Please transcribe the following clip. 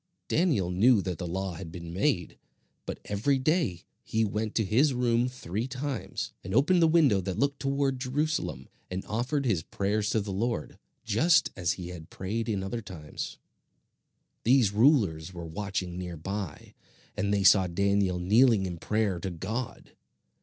Daniel knew that the law had been made, but every day he went to his room three times, and opened the window that looked toward Jerusalem, and offered his prayers to the Lord, just as he had prayed in other times. These rulers were watching near by, and they saw Daniel kneeling in prayer to God.